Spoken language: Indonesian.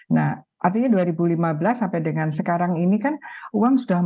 nah artinya dua ribu lima belas sampai dengan sekarang ini kan uang sudah masuk